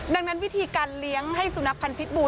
ดังนั้นวิธีการเลี้ยงให้สุนัขพันธ์พิษบูร